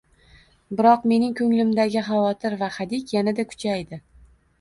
Biroq mening ko`nglimdagi xavotir va hadik yanada kuchaydi